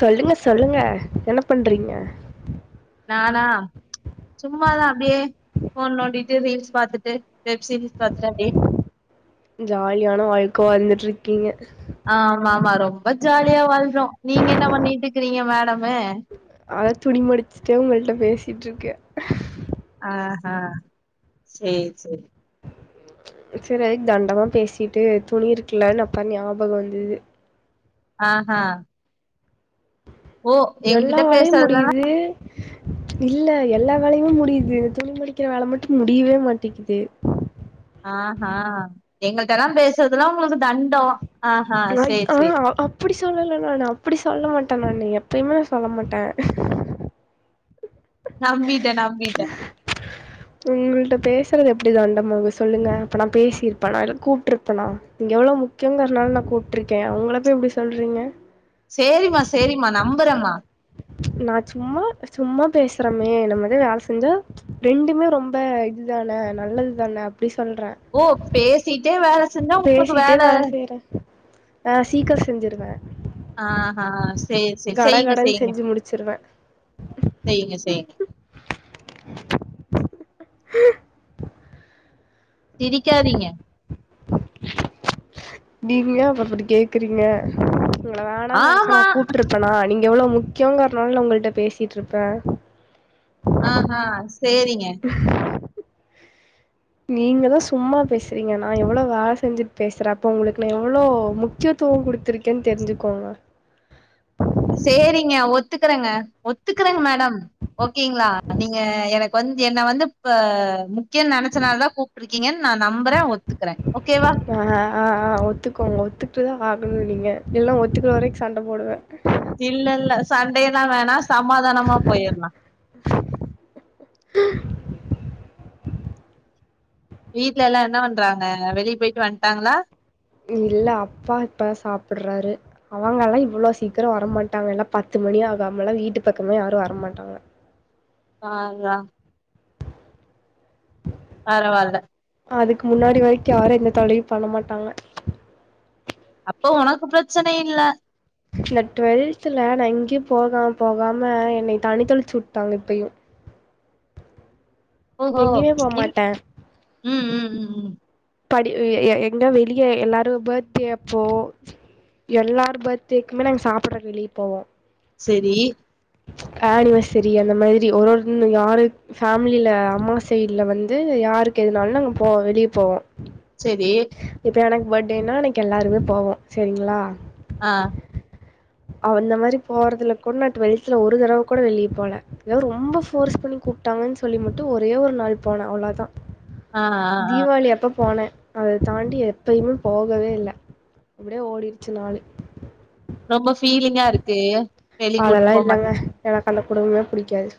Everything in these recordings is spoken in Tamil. சொல்லுங்க சொல்லுங்க என்ன என் பண்றீங்க நானா சும்மாதா அப்டியே ஃபோன் நோண்டிட்டு ரீல்ஸ் பாத்துட்டு வெப் சீரிஸ் பாத்துட்டு அப்டியே ஜாலியான வாழ்க்க வந்துட்டுருக்கீங்க ஆ ஆமா ஆமா ரொம்ப ஜாலியா வாழ்றோ நீங்க என்ன பண்ணிட்டுக்கிறீங்க மேடமு அதா துணி மடிச்சிட்டே உங்கள்ட்ட பேசிட்ருக்க ஆ ஹா சேரி சேரி செரி அதுக் தண்டமா பேசிட்டு துணி இருக்லான்னு அப்ப ஞாபகோ வந்தது ஆ ஆ எல்லா எங்கிட்ட வேலயு பேசுறதுதான முடியுது இல்ல எல்லா வேலயு முடியிது துணி மடிக்கிற வேல மட்டு முடியிவே மாட்டிக்குது அ ஆ எங்கள்டலா பேசுறதுல்லா உங்களுக்கு தண்டோ நா இப் ஆ அப்படி சொல்லல நானு அப்படி சொல்ல மாட்டே நானு எப்பயுமே சொல்ல மாட்டே நம்பிட்ட நம்பிட்ட உங்கள்ட்ட பேசுறது இப்டிதா அந்தம்மாவூ சொல்லுங்க அப்ப நா பேசியிருப்போனா இல்ல கூப்ட்டிருப்பனா நீங்க எவ்ளோ முக் முக்கியங்கரனால நா கூப்ட்டுருக்கே உங்கள போய் இப்டி சொல்றீங்க சேரிமா சேரிமா நம்புறமா நா சும்மா சும்மா பேசுறமே நம்ம இது வேல செஞ்சா ரெண்டுமே ரொம்ப இது தான நல்லது தான அப்டி சொல்றோ ஓ பேசிட்டே வேல செஞ்சா உங்களுக்கு பேசிட்டே வேல செய்றே ஆ சீக்கிரூ செஞ்சிருவே அ ஆ சேர் செரி கட செய்ங்க கடன்னு செய்ங்க செஞ்சு முடிச்சிருவே செய்ங்க செய்ங்க சிரிக்காதீங்க நீங்ளே அப்பற அப்டி கேக்கறீங்க உங்கள வேணான் நெனச்சா நா ஆமா கூப்ட்டுருப் பனா நீங்க எவ்ளே முக்கியங்கற்னால நா உங்கள்ட பேசிட்டு இருப்பே ஆ ஹா சேரிங்க நீங்கதா சும்மா பேசுறீங்க நா எவ்வளவு வேல செஞ்சுட் பேசுற அப்ப உங்களுக்கு நா எவ்வளோ முக்கிய துவூ கொடுத்துருக்கேன் தெரிஞ்சுக்கோங்க சேரிங்க ஒத்துக்கறங்க ஒத்துக்கறங் மேடம் ஓகேங்ளா நீங்க எனக்கு வந் என்ன வந்து பா முக்கிய நனச்சனாலதா கூப் ப்பிருக்கீங்கன் நா நம்புற ஒத்துக்குற ஓகேவா ஆ ஆ ஆ ஒத்துக்கோங் ஒத்துக்ட்டுதா ஆகணு நீங்க இல்னா ஒத்துக்கற வரைக் சண்ட போடுவ இல்ல இல்ல சண்டேல்லா வேணா சமாதானமா போயிற்லா வீட்ல எல்லா என்ன பண்றாங்க வெளிய போய்ட்டு வந்டாங்களா இல்ல அப்பா இப்பதா சாப்பட்றாரு அவங்கல்லா இவ்வளோ சீக்கரோ வரமாட்டாங்க எல்லா பத்து மணி ஆகு அம்வ்ங்கல்லா வீட்டு பக்கமே யாரு வரமாட்டாங்க பார்ரா பரவால்ல அதுக்கு முன்னாடி வரிக்கு யாரு எந்த தொல்லையு பண்ணமாட்டாங்க அப்போ உனக்கு பிரச்சன இல்ல இந்த டுவெல்துலா நா எங்கயூ போகாம போகாம என்னைய தண்ணி தெளிச்சு உட்டாங்க இப்பயூ ஓஹோ எங்கேயுமே போ இல் மாட்டே ம் ம் ம் ம் படி எ எ எங்க வெளிய எல்லாரூ பர்த்டே அப்போ எல்லார் பர்த்டேக்குமே நாங் சாப்பிறதுக்கு வெளிய போவோ சேரி ஆனிவர்ஸரி அந்த மாதிரி ஒரு ஒருன்னு வாரு ஃபேம்லில அம்மா சைட்ல வந்து யாருக்கு எதுனாலு நாங்க போவோ வெளிய போவோ செரி இப்ப எனக்கு பர்டேன்னா அன்னைக்கு எல்லாருமே போவோ சரிங்குளா ஆ அந்த மாரி போறதுல கூட நா டுவெல்த்ல ஒரு தடவ கூட வெளிய போல எதா ரொம்போ ஃபோர்ஸ் பண்ணி கூப்ட்டாங்கன் சொல்லி மட்டு ஒரே ஒரு நாள் போன அவுளதா ஆ, ஆ, ஆ. தீவாளி அப்ப போனே அத தாண்டி எப்பயுமே போகவே இல்ல அப்டியே ஓடிர்ச்சு நாளு ரொம்ப ஃபீலிங்கா இருக்கு வெளிய கூட்டு அதெல்லா போ இல்லங்க மாட்டீங்க எனக்கு அந்த குடும்பமே புடிக்காது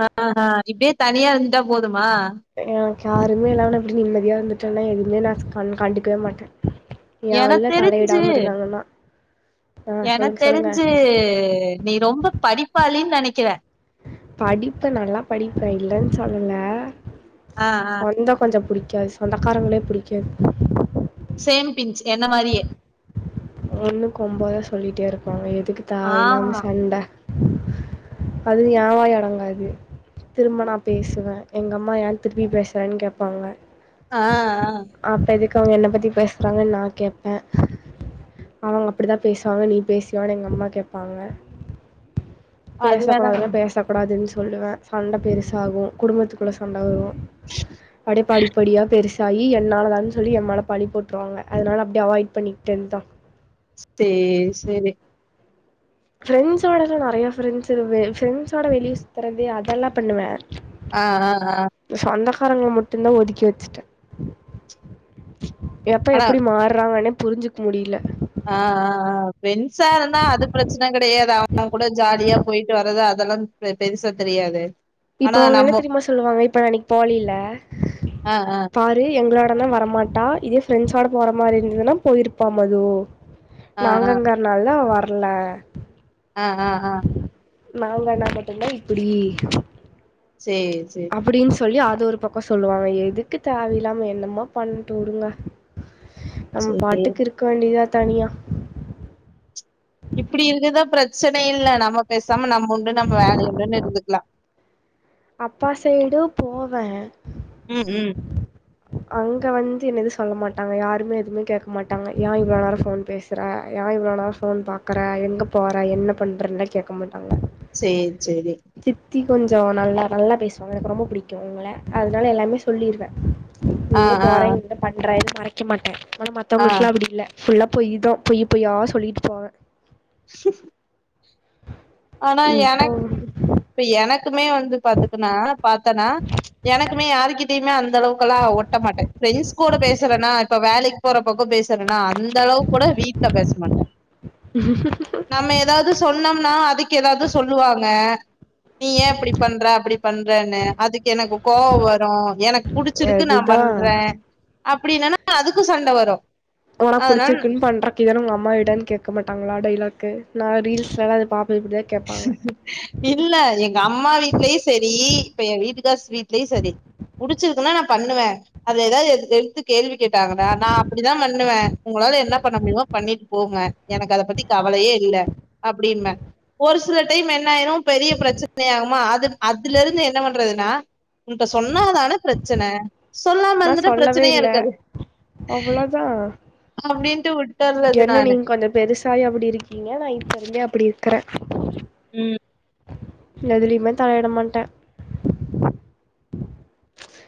ஆ அ அ இப்டியே தனியா இருந்துட்டா போதுமா எனக்கு யாருமே எல்லாம நா இப்டி நிம்மதியா இருந்துட்டேனா எதுமே நான் கண் கண்டுக்குவே மாட்ட எனக் தெரிஞ்சு நான் எனக் சொல்லுங்கள் சொல்லுங்கள் தெரிஞ்சு நீ ரொம்ப படிப்பாளி நெனைக்கிற படிப்பு நல்லா படிப்பே இல்லன் சொல்ல ஆ ஆ சொந்தோ கொஞ்சோ புடிக்காது சொந்தக்காரங்ளே புடிக்காது சேம் பிஞ்ச் என்ன மாரியே ஒன்னுக் ஒம்போதா சொல்லிட்டே இருப்பாங்க எதுக்கு தேவையில்லாம ஆமா சண்ட அதுவு என் வாய் அடங்காது திரும்ப நான் பேசுவ எங்க அம்மா ஏன் திரும்பி பேசுறேன் கேப்பாங்க ஆ அ அப்ப எதுக்கு அவ்ங்க என்ன பத்தி பேசுறாங்கன் நா கேப்ப அவ்ங்க அப்டிதா பேசுவாங்க நீ பேஸ்வியோனு எங்க அம்மா கேப்பாங்க அது வேணா பேசக்கூடாதுனா பேசக்கூடாதுன் சொல்லுவ சண்ட பெருசாகு குடும்பத்துக்குள்ள சண்ட வரும் அப்டே படிப்படியா பெருஸ் ஸாயி என்னாலதான் சொல்லி என் மேல பழி போட்ருவாங்க அதுனால அப்டியே அவாய்ட் பண்ணிக்கிட்டேன்தா சேர் செரி ஃபிரெண்ஸ்சோடலா நெறைய ஃபிரெண்ஸ் இருக்குது ஃபிரெண்ஸோட வெளிய சுத்துறது அதெல்லா பண்ணுவ ஆ ஆ ஆ இந்த சொந்தக்காரங்கள மட்டுந்தா ஒதுக்கி வச்சுட்ட எப்ப ஆனா எப்டி மாறாங்கனே புரிஞ்சுக் முடில ஆ ஆ ஆ ஃபிரெண்ஸா இருந்தா அது பிரச்சன கெடையாது அவ்ங்க கூட ஜாலியா போய்ட்டு வர்றது அதெல்லா ப்டு பெருசா தெரியாது இப்ப ஆனா அவ்ங்க என்ன நம்ம தெரிமா சொல்லுவாங்க இப்ப அன்னிக் போலில ஆ ஆ பா ரு எங்களோடனா வரமாட்டா இதே ஃபிரெண்ஸோட போற மாரி இருந்ததுனா போயிருப்பா மது ஆ நாங்கங்கற்னால்தா அவ வர்ல ஆ ஆ ஆ நாங்கனா மட்டுந்தா இப்புடி சேர் சேர் அப்டின் சொல்லி அது ஒரு பக்கோ சொல்லுவாங்க எதுக்கு தேவையில்லாம என்னமோ பண்ட்டு உடுங்க நம்ம பாட்டுக்கு இருக்க வேண்டிதா தனியா இப்பிடி இருக்குதா பிரச்சனை இல்ல நம்ம பேசாம நம்ம உண்டு நம்ம வேலையுண்டுன் இருந்துக்லா அப்பா சைடு போவே ம் ம் அங்க வந்து என்னது சொல்ல மாட்டாங்க யாருமே எதுமே கேக்க மாட்டாங்க ஏ இவ்ளோ நேரோ ஃபோன் பேச் கிற ஏ இவ்ளோ நேரோ ஃபோன் பாக்கற எங்கப் போற என்னப் பண்றன்லா கேக்க மாட்டாங்க சேர் செரி சித்தி கொஞ்சோ நல்லா நல்லா பேசுவாங்க எனக்கு ரொம்ப பிடிக்கு அவுங்கள அதனால எல்லாமே சொல்லிருவ ஆ எங்க ஆ போற என்ன பண்றேனு மறைக்க மாட்டே ஆனா ஆ மத்தவங்களுக்குலா அப்டி இல்ல ஃபுல்லா பொய்யு தா பொய்யி பொய்யா சொல்லிட்டு போவே [inaudible] ஆனா இப்போ எனக் இப்ப எனக்குமே வந்து பாத்துக்குனா பாத்தனா எனக்குமே யாருகிட்டயுமே அந்தளவுக்குலா ஒட்ட மாட்டே ஃப்ரெண்ட்ஸ் கூட பேசுறனா இப்ப வேலைக் போற பக்கோ பேசுறன்னா அன் இந்த அளவுக்கு கூட வீட்ல பேச மாட்டே நம்ம எதாது சொன்னம்னா அதுக் கெதாது சொல்லுவாங்க நீ ஏன் இப்டி பண்ற அப்டி பண்றனு அதுக்கு எனக்கு கோவோ வரு எனக் புடிச்சுருக்கு நா அதுதா பண்றே அப்டி இல்லனா அதுக்கு சண்ட வரு ஒனக் அதனால புடிச்சிருக்குன்னு பண்ற இதென உங்க அம்மா வீடான்னு கேக்க மாட்டாங்களா டைலாக்கு நா ரீல்ஸ் எல்லா இது பாப்பே இப்டி இல்ல எங்க அம்மா வீட்லயு சரி இப்ப ஏ வீட்டுக்கார் வீட்லயு சரி புடுச்சிருக்குனா நா பண்ணுவே அத எதாது எடுத் எதுத்து கேள்வி கேட்டாங்கனா நா அப்டிதா பண்ணுவே உங்களால என்ன பண்ண முடியு பண்ணிட்டு போங்க எனக்கு அத பத்தி கவலையே இல்ல அப்டிம்பே ஒரு சில டைம் என்னாயிரு பெரிய பிரச்சன ஆகுமா அது அதுல இருந்து என்ன பண்றதுனா உன்ட்ட சொன்னாதானப் பிரச்சன சொல்லாம நா இருந்துட்டா பிரச்சனையே இருக்காது த்தா அப்படின்ட்டு விட்டர்றது என்ன நானு நீங்க கொஞ்சோ பெருசு ஹாயா அப்டி இருக்கீங்க நா இப்ப இருந்தே அப்டி இருக்கறே ம் எதுலயுமே தலையிட மாட்டே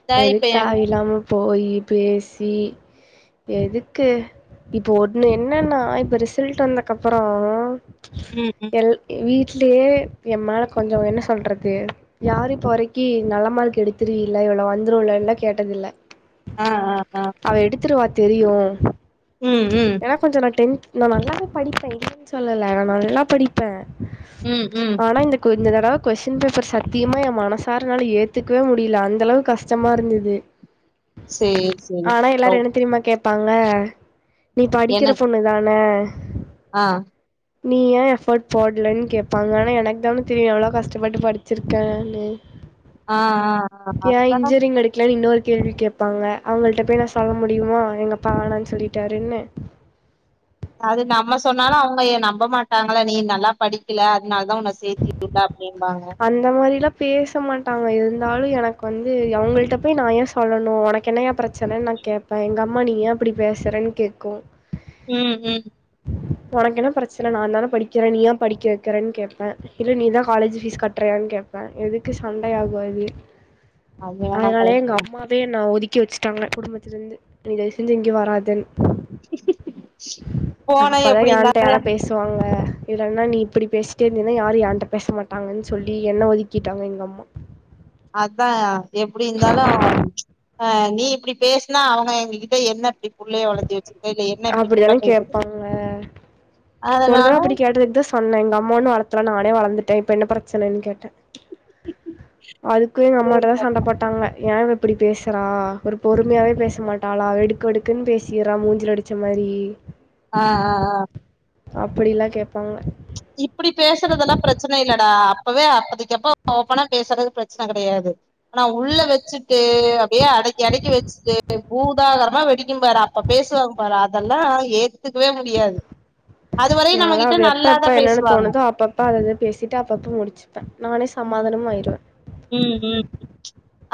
தா இப்ப எதுக் என் தாவிலாம போயி பேசி எதுக்கு இப்போ ஒன்னு என்னனா இப்ப ரிசல்ட்டு வந்தகப்பறோ ம் ம் எல் வீட்லயே எம்மேல கொஞ்சோ என்ன சொல்றது யாரு இப்ப வரைக்கி நல்ல மார்க் எடுத்துருவில இவ்ளோ வந்துருல்ல எல்லா கேட்டதில்ல ஆ ஆ ஆ அவ எடுத்துருவா தெரியு ம் ம் ஏனா கொஞ்சோ நா டென்த் நா நல்லாவே படிப்ப இல்லனு சொல்லல நா நல்லா படிப் ப்பே ம் ம் ஆனா இந்தட் கொஞ்சோ தடவ கொஸ்டின் பேப்பர் சத்தியமா ஏன் மனசாரனால ஏத்துக்கவே முடியல அந்தளவு கஷ் சமா இருந்துது சேரி சேரி ஆனா ரொ எல்லாரு என்ன தெரியுமா கேப் பாங்க நீ என்ன படிக்கிற பொண்ணு தான ஆ நீ ஏன் எஃபர்ட் போடலனு கேப்பாங்க ஆனா எனக்கு தான தெரியு எவ்வளோ கஷ்டப்பட்டு படி வச்சிருக்காலே ஆ‌ ஆ ஆ புடிக்கிலனு இன்னொரு கேள்வி கேட்பாங்க அவுங்கள்ட போயி நா சொல்ல முடியுமா எங்கப்பா வேணானு சொல்லிட்டாருனு அது நம்ம சொன்னாலு அவுங்க எ நம்ப மாட்டாங்கள நீ நல்லாப் படிக் க்கல அதனால தா உன்ன சேத்திட்டுல அப்டிம்பாங்க அந்த மாரிலா பேச மாட்டாங்க இருந்தாலு எனக்கு வந்து அவுங்கள்ட்ட போயி நா ஏ சொல்லணு உனக்கு என்னயா பிரச் சனன்னு நா கேட்ப எங்க அம்மா நீ ஏ இப்டி பேசறன்னு கேட்கு ம் ம் உனக்கு என்ன பிரச்சன நாந்தான படிக்கிறே நீயா படிக்க வைக்கிறன்னு கேப்பே இல்ல நீதா காலேஜ் ஃபீஸ் கட்றயான்னு கேப்பே எதுக்கு சண்டயாகு அது அது வேணா அதனாலே கரெக்ட் எங்க அம்மாவே என்ன ஒதுக்கி வச்சுட்டாங்க குடும்பத்திலிந்து நீ தயவுசெஞ்சு இங்க வராத போன அப்பதா எப்டி இருந்தா என்ட்ட யாரா பேஸ் சுவாங்க இல்லன்னா நீ இப்பிடி பேசிட்டே இருந்தீனா யாரு என்ட்ட பேச மாட்டாங்க சொ சொல்லி என்ன ஒதுக்கிட்டாங்க எங்கம்மா அதா எப்டி இருந்தாலு அ நீ இப்டி பேசுனா அவங்க எங்க கிட்ட என்ன இப்டி புள்ளைய வளத்தி வச்சிருக்க இல்ல என் அப்டித்தான கேப்பாங்க அதனால ஒருதடவ அப்டி கேட்டதுக்குதா சொன்ன எங்கம்மா ஒன்னு வளத்தல நானே வளந்துட்ட இப்ப என்ன பிரச்சனன்னு கேட்ட அதுக்கு சரி எங்கம்மாட்டதா சண்ட பாப்போம். போட்டாங்க ஏங்கிட் இப்டி பேசுறா ஒரு பொறுமயாவே பேச மாட்டாளா வெடுக்வெடுக்குன்னு பேசிறா மூஞ்சிலடிச் ச்சமாரி ஆ ஆ ஆ அப்டில்லா கேப்பாங்க இப்டி பேசறதெல்லா பிரச்சன இல்லடா அப்பவே அப்பதிக்கப்ப ஓப்பனா பேசறது பிரச்சன கெடயாது ஆனா உள்ள வச்சுட்டு அப்டியே அடக்கி அடக்கி வச்ட்டு பூதாகரமா வெடிக்கும் பாரு அப்ப பேசுவாங்க பாரு அதெல்லா ஏத் துக்கவே முடியாது அதுவரையு நம்ம கிட்ட நல்லாதா என்னன்னு பேசுவாங்க தோணுதோ அப்பப்ப அதத பேசிட்டு அப்பப்ப முடிச்சுப்ப நானே சமாதானமு ஆயிடுவ உம்ம்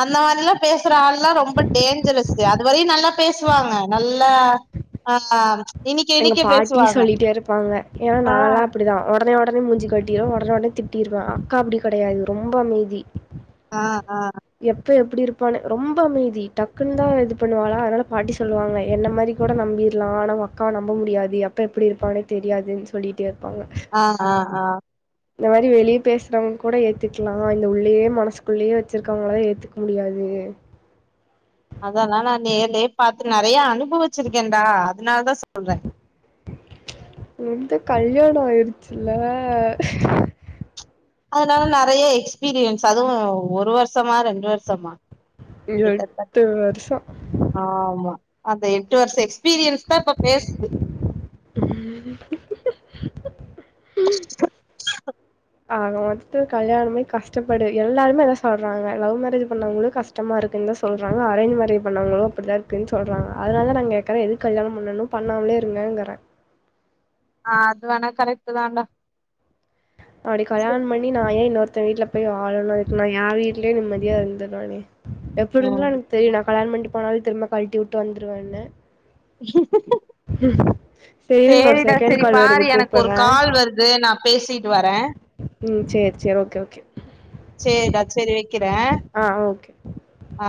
அந்த மாதிலா பேசற ஆள்லா ரொம்ப டேஞ்சரஸ்சு அ துவரையு நல்லா பேசுவாங்க நல்லா ஆ இனிக்க எங்க இனிக்க பாட்டி பேசுவாங்க சொல்லிட்டே இருப்பாங்க ஏனா ஆ நால்லா அப்டிதா உடனே உடனே மூஞ்சிக்காட் டீருவ உடனே உடனே திட்டீருவ அக்கா அப்டி கெடயாது ரொம்ப அமைதி ஆ எப்ப எப்பிடி இருப்பானே ரொம்ப அமைதி டக்குன்னுதா இது பண்ணுவாளா அதனால பாட்டி சொல்லுவாங்க என்ன மாரி கோட நம்பிர்லா ஆனா உ அக்காவ நம்ப முடியாது எப்ப எப்டி இருப்பானே தெரியாதுன் சொல்லிட்டே இருப்பாங்க ஆ ஆ ஆ இந்த மாரி வெளிய பேசறவ்ங்க கூட ஏத்துக்லா இந்த உள்ளயே மனசுக்குள்ளயே வச் வச்சுருக்கவங்கள்லா ஏத்துக்க முடியாது அதெல்லா நா நேர்லயே பாத்து நெறைய அனுபவிச்சிருக்கேன்டா அதனாலதா சொல்ற வந்து கல்யாணோ ஆய்டுச்சுல அதனால நெறைய எக்ஸ்பீரியன்ஸ் அதுவு ஒரு வர்ஷமா ரெண்டு வர்ஷமா எட்டு வருஷோ ஆமா அந்த எட்டு வர்ஷ எக்ஸ்பீரியன்ஸ்தா இப்ப பேசுது [inaudible] ஆக மொத்தோ கல்யாணமே கஷ்டப்படு எல்லாருமே அதா சொல்றாங்க லவ் மேரேஜ் பண்ணவ்ங்களு கஷ் கஷ்டமா இருக்குன்தா சொல்றாங்க அரேஞ் மேரேஜ் பண்ணவ்ங்களு அப்டிதா இருக்குன் சொல்றாங்க அதனால நா கேக்கறே எதுக் கல்யாணோ பண்ணணு பண்ணாமலே இருங்கங்கறே ஆ அது வேணா கரெக்ட்டு தான்டா அப்டி கல்யாணம் பண்ணி நா ஏ இன்னொருத்த வீட்ல போய் வாழணு இதுக்கு நா ஏ வீட்லயே நிம்மதியா இருந்துருவனே எப்பிடி இர்ந்தாலு ம் எனக்கு தெரியு நா கல்யாண பண்ணிட்டு போனாலு திரும்ப கழட்டி வுட்டு வந்துருவேன்னு சரி இருங்க ஒரு சேரிடா செகண்ட் செரி கால் வருது பாரு எனக்கு ஒரு கூப்பிடுறேன். கால் வருது நா பேசிட்டு வரே உம் சேரி சேரி ஓகே ஓகே சேரிடா சேரி வக்கிறே ஆ ஓகே. ஆ